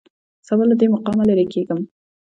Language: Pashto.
سبا له دې مقامه لېرې کېږم.